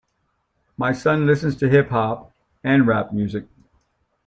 My son listens to hip-hop and rap music.